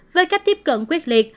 với cách tiếp cận quyết liệt